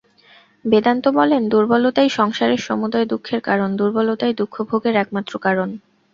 বেদান্ত বলেন, দুর্বলতাই সংসারের সমুদয় দুঃখের কারণ, দুর্বলতাই দুঃখভোগের একমাত্র কারণ।